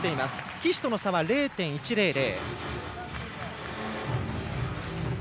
岸との差は０．１００。